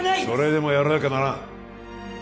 それでもやらなきゃならん